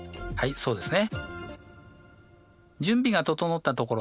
そうですね。